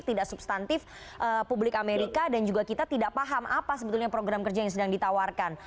tidak substantif publik amerika dan juga kita tidak paham apa sebetulnya program kerja yang sedang ditawarkan